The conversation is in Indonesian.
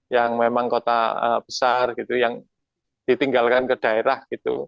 yang memang kota besar yang ditinggalkan ke daerah